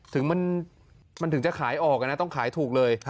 ถึงมันถึงจะขายออกนะต้องขายถูกเลย